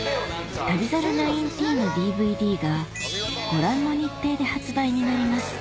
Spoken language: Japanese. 『旅猿１９』のＤＶＤがご覧の日程で発売になります